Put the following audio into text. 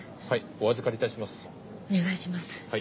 はい。